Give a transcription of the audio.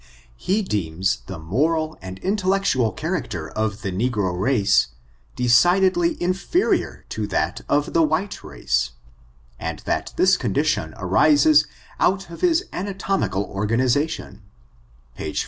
He deems the nwrcU and intellectual character of the negro race, decidedly inferior to that of the whitb race, and that this condition arises out of his (ma tomical organization — ^p.